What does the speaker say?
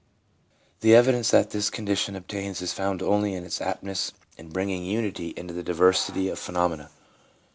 The evidence that this condition obtains is found only in its aptness in bringing unity into the diversity of pheno mena.